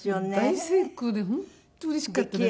大成功で本当うれしかったですね。